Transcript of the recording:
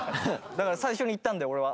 だから最初に言ったんだよ俺は。